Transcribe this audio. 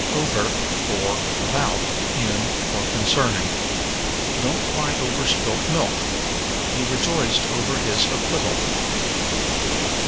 Over for About, In, or Concerning. "Don't cry over spilt milk." "He rejoiced over his acquittal."